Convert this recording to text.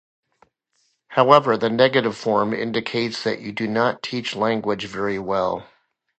However, the negative form indicates that you do not teach language very well.